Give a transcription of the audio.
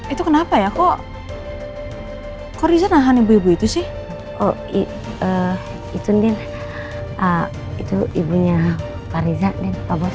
itu kenapa ya kok kok rizal nahan ibu ibu itu sih oh itu itu ibunya pari zainah bos